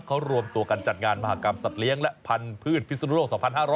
เขารวมตัวกันจัดงานมหากรรมสัตว์เลี้ยงและพันธุ์พิศนุโลก๒๕๖๐